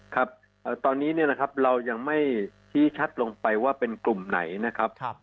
ครับตอนนี้เนี่ยนะครับเรายังไม่ชี้ชัดลงไปว่าเป็นกลุ่มไหนนะครับ